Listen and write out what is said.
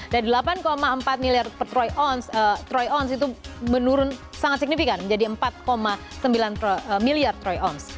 dari delapan empat miliar troy ounce itu menurun sangat signifikan menjadi empat sembilan miliar troy ounce